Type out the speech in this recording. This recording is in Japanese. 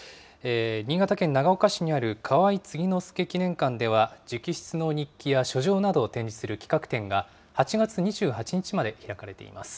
新潟県長岡市にある河井継之助記念館では、直筆の日記や書状などを展示する企画展が、８月２８日まで開かれています。